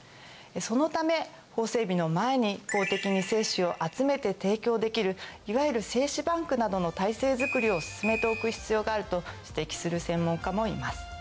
そのため法整備の前に公的に精子を集めて提供できるいわゆる精子バンクなどの体制づくりを進めておく必要があると指摘する専門家もいます。